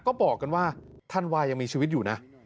ก็บอกกันว่าธันวายังมีชีวิตอยู่นะ